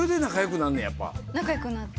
仲よくなって。